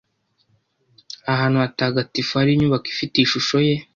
ahantu hatagatifu hari inyubako ifite ishusho ye